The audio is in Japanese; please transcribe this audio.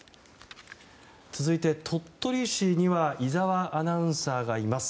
続いて、鳥取市には井澤アナウンサーがいます。